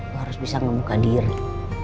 gue harus bisa ngebuka diri